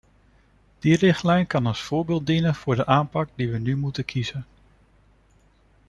Die richtlijn kan als voorbeeld dienen voor de aanpak die we nu moeten kiezen.